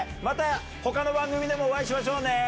またほかの番組でもお会いしましょうね。